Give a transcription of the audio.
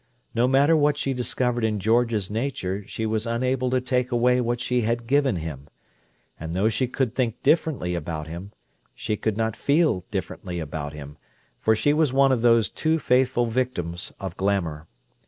No matter what she discovered in George's nature she was unable to take away what she had given him; and though she could think differently about him, she could not feel differently about him, for she was one of those too faithful victims of glamour.